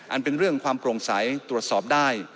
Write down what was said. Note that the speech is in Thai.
เป็นเรื่องความโปร่งใสตรวจสอบได้